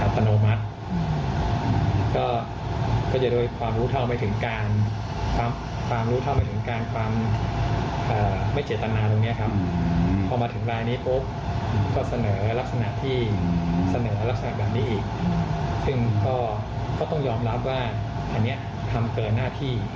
พอเสะเสนอลักษณะนี้อีกซึ่งก็ต้องยอมรับว่าทำเกินหน้าที่